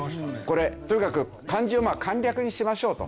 これとにかく漢字を簡略にしましょうと。